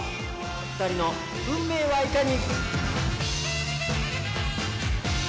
２人の運命はいかに。